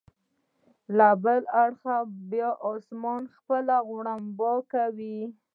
له بل اړخه به بیا اسمان خپل غړومب کاوه.